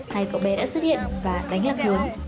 hai cậu bé đã xuất hiện và đánh lạc hướng